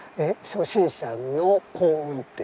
初心者の幸運って。